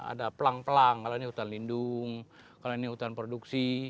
ada pelang pelang kalau ini hutan lindung kalau ini hutan produksi